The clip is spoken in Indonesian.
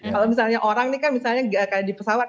kalau misalnya orang ini kan misalnya kayak di pesawat